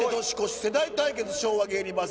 世代対決、昭和芸人ＶＳ